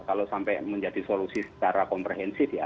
kalau sampai menjadi solusi secara komprehensif ya